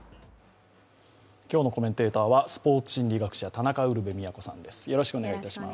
今日のコメンテーターはスポーツ心理学者、田中ウルヴェ京さんです。